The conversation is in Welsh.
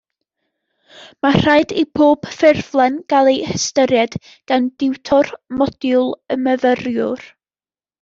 Mae rhaid i bob ffurflen gael ei hystyried gan diwtor modiwl y myfyriwr